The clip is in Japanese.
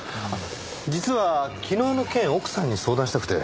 実は昨日の件奥さんに相談したくて。